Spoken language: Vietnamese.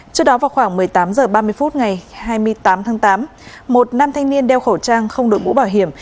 trước đó vào khoảng một mươi tám h ba mươi phút ngày hai mươi tám tháng tám một nam thanh niên đeo khẩu trang không đội mũ bảo hiểm